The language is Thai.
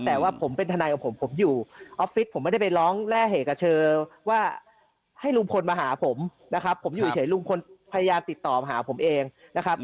แต่ว่าผมเป็นทนายของผมผมอยู่ออฟฟิศผมไม่ได้ไปร้องแร่เหตุกับเธอว่าให้ลุงพลมาหาผมนะครับผมอยู่เฉยลุงพลพยายามติดต่อมาหาผมเองนะครับ